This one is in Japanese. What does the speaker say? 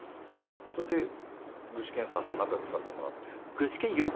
それで具志堅さんと仲良くさせてもらって。